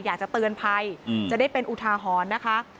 อยากจะเตือนภัยจะได้เป็นอุทาหรณ์นะคะ